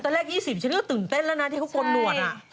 ตอนแรก๒๐ฉันก็ตื่นเต้นแล้วนะที่เขากดหน่วนอ่ะ